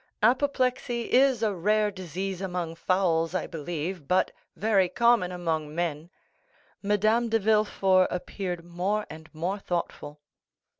Apoplexy is a rare disease among fowls, I believe, but very common among men." Madame de Villefort appeared more and more thoughtful.